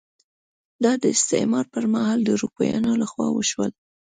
دا د استعمار پر مهال د اروپایانو لخوا وشول.